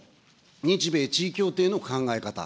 日米地位協定の考え方。